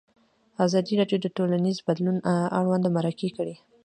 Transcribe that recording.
ازادي راډیو د ټولنیز بدلون اړوند مرکې کړي.